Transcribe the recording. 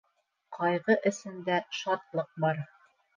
Ҡайғы эсендә шатлыҡ бар.